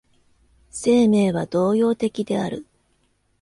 生命は動揺的である。